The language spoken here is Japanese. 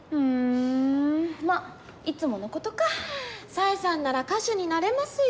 さえさんなら歌手になれますよ。